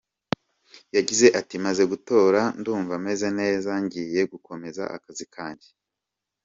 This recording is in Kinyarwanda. Yagize ati “Maze gutora ndumva meze neza ngiye gukomeza akazi kanjye.